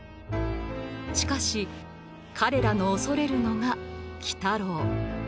しかし彼らの恐れるのが鬼太郎。